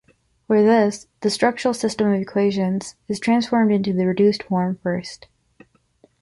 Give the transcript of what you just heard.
For this, the structural system of equations is transformed into the reduced form first.